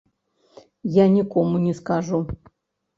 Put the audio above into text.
Я нікому не скажу.